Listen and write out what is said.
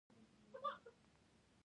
کورس د یووالي احساس پیدا کوي.